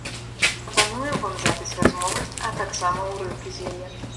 Прапануем вам запіс размовы, а таксама ўрыўкі з яе.